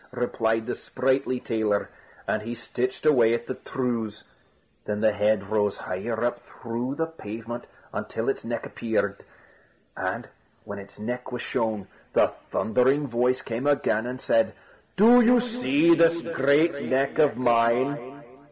replied the sprightly tailor; and he stitched away at the trews. Then the head rose higher up through the pavement, until its neck appeared. And when its neck was shown, the thundering voice came again and said: "Do you see this great neck of mine?"